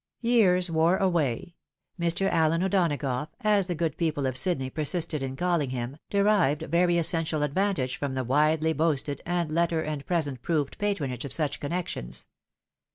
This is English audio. Yeaks wore away, Mr. Allen O'Donagough, as the good people of Sydney persisted in calling Mm, derived very essential ad vantage from the widely boasted and letter and present proved patronage of such connections.